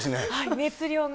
熱量が。